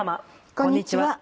こんにちは。